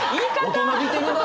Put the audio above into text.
大人びてるな。